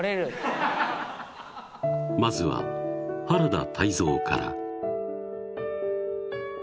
［まずは原田泰造から］